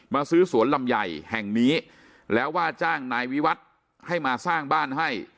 ซื้อสวนลำไยแห่งนี้แล้วว่าจ้างนายวิวัตรให้มาสร้างบ้านให้